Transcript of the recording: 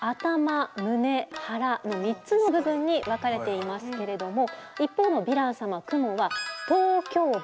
「胸」「はら」の３つの部分に分かれていますけれども一方のヴィラン様クモは「頭胸部」